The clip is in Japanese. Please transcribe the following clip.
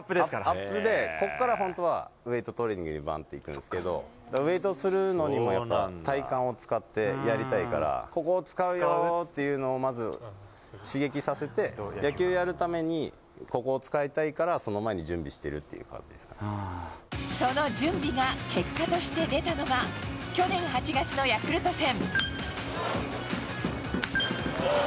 アップで、ここから本当は、ウエートトレーニングにばんといくんですけど、ウエートするのにも、やっぱ体幹を使ってやりたいから、ここを使うよーっていうのを、まず刺激させて、野球やるためにここを使いたいから、その前に準備してるっていうその準備が結果として出たのが、去年８月のヤクルト戦。